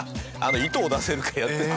糸を出せるかやってる。